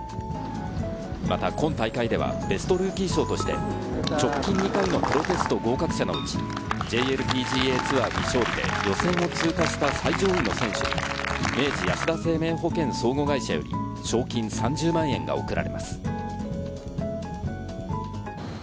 また今大会ではベストルーキー賞として、直近２回のプロテスト合格者のうち、ＪＬＰＧＡツアー未勝利で予選を通過した最上位の選手に明治安田生命保険相互会社より賞金３０万円が贈られます。